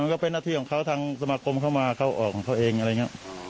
มันก็เป็นหน้าที่ของเขาทางสมกรมเข้ามาเข้าออกของเขาเอง